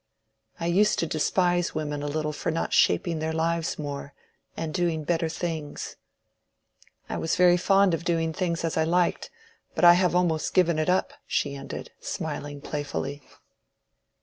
I used to despise women a little for not shaping their lives more, and doing better things. I was very fond of doing as I liked, but I have almost given it up," she ended, smiling playfully.